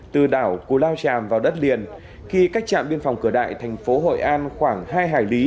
từ đảo cù lao tràm vào đất liền khi cách trạm biên phòng cửa đại thành phố hội an khoảng hai hải lý